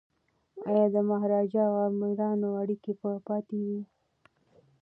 ایا د مهاراجا او امیرانو اړیکي به پاتې وي؟